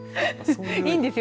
いいんですよ。